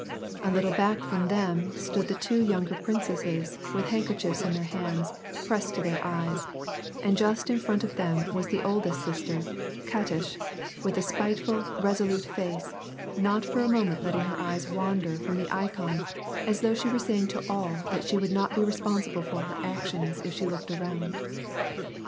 A little back of them stood the two younger princesses with handkerchiefs in their hands, pressed to their eyes, and just in front of them was the oldest sister, Katish, with a spiteful, resolute face, not for a moment letting her eyes wan der from the ikon, as though she were saying to all that she would not be responsible for her actions if she looked around.